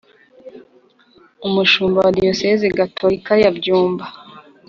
Umushumba wa diyosezi gatolika ya byumba